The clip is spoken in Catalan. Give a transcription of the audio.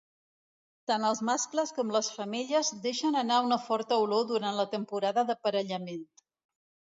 Tant els mascles com les femelles deixen anar una forta olor durant la temporada d'aparellament.